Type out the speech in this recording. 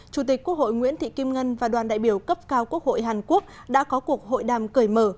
chủ tịch quốc hội nguyễn thị kim ngân và đoàn đại biểu cấp cao quốc hội hàn quốc đã có cuộc hội đàm cởi mở